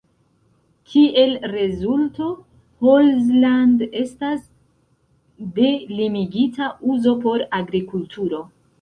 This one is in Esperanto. Kiel rezulto, Holzland estas de limigita uzo por agrikulturo.